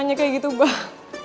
gimana aja kayak gitu bang